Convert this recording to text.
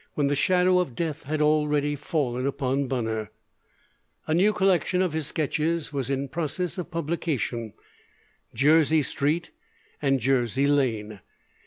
When the shadow of death had already fallen upon Bunner, a new collection of his sketches was in process of publication: 'Jersey Street and Jersey Lane.'